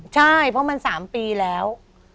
ใช่เพราะมัน๓ปีแล้ว